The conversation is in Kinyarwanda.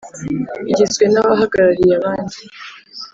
igizwe n abahagarariye abandi